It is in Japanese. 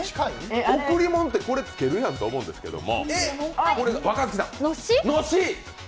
贈り物ってこれ、つけるやんって思うんですけども。